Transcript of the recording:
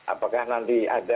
apakah nanti ada